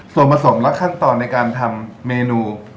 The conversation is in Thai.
ส่วนผสมและขั้นตอนในการทำเมนู